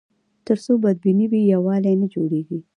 تر څو بدبیني وي، یووالی نه جوړېږي.